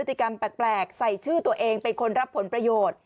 แตกใส่ชื่อตัวเองเป็นคนรับผลประโยชน์